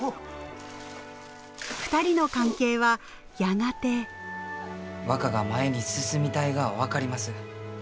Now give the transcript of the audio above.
２人の関係はやがて若が前に進みたいがは分かります。